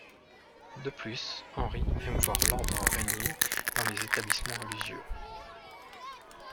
De plus Henri aime voir l'ordre régner dans les établissements religieux.